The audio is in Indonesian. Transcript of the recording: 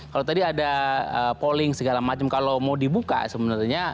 kalau tadi ada polling segala macam kalau mau dibuka sebenarnya